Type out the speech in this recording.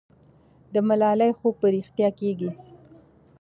د ملالۍ خوب به رښتیا کېږي.